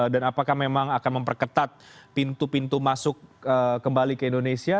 dan apakah memang akan memperketat pintu pintu masuk kembali ke indonesia